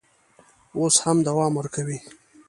اوس هم دوام ورکوي.